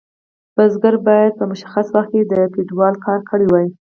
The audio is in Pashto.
بزګر باید په مشخص وخت کې د فیوډال کار کړی وای.